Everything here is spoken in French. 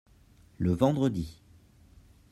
Le vendredi.